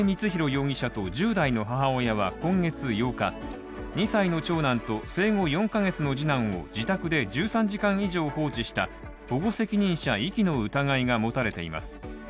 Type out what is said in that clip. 容疑者と１０代の母親は今月８日、２歳の長男と生後４ヶ月の次男を自宅で１３時間以上放置した保護責任者遺棄の疑いが持たれています。